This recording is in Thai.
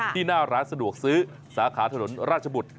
ที่น่ารักสะดวกซื้อสาขาถนนราชบุตร